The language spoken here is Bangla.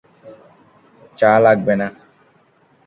চা লাগবে না।